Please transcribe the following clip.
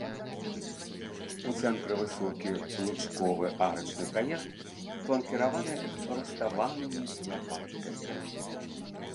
У цэнтры высокі лучковы арачны праезд, фланкіраваны руставанымі лапаткамі.